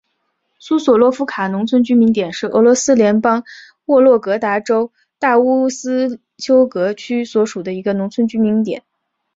苏索洛夫卡农村居民点是俄罗斯联邦沃洛格达州大乌斯秋格区所属的一个农村居民点。